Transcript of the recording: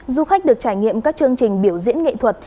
du khách được trải nghiệm các chương trình biểu diễn nghệ thuật